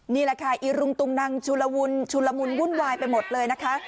นี่แหละค่ะอีรุงตุงนังชุลชุลมุนวุ่นวายไปหมดเลยนะคะ